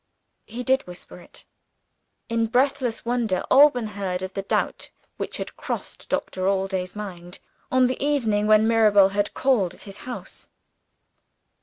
He did whisper it. In breathless wonder, Alban heard of the doubt which had crossed Doctor Allday's mind, on the evening when Mirabel had called at his house.